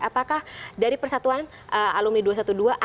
apakah dari persatuan alumni dua ratus dua belas akan juga diperiksa